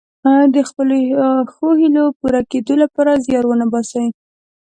د خپلو ښو هیلو پوره کیدو لپاره زیار ونه باسي.